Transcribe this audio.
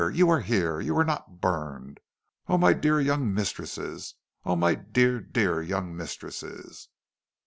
You are here! You are not burned! O my dear young mistresses, my dear, dear young mistresses!"